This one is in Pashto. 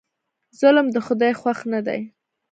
ظلم د خدای خوښ نه دی.